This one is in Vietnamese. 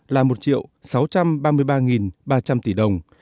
tổng số thu ngân sách nhà nước là một sáu trăm ba mươi ba ba trăm linh tỷ đồng